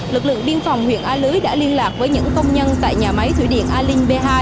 lực lượng biên phòng huyện a lưới đã liên lạc với những công nhân tại nhà máy thủy điện a linh v hai